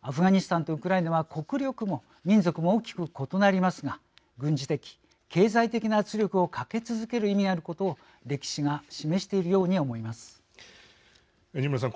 アフガニスタンとウクライナは国力も民族も大きく異なりますが軍事的・経済的な圧力をかけ続ける意味があることを二村さん。